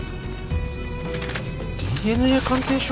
ＤＮＡ鑑定書？